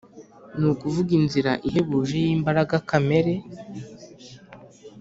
ni ukuvuga inzira ihebuje y’imbaraga kamere,